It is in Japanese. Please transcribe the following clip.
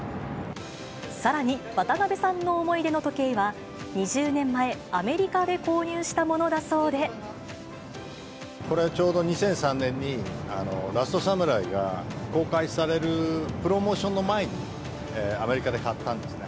さらに、渡辺さんの思い出の時計は、２０年前、これはちょうど２００３年に、ラストサムライが公開されるプロモーションの前に、アメリカで買ったんですね。